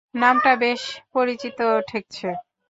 নামটা বেশ পরিচিত ঠেকছে!